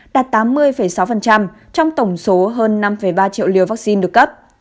đạt tám mươi sáu trong tổng số hơn năm ba triệu liều vắc xin được cấp